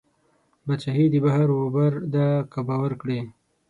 بادشاهي د بحر وبر ده که باور کړې